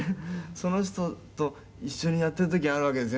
「その人と一緒にやっている時があるわけですよね」